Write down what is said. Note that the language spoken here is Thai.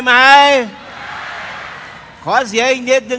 กาเบอร์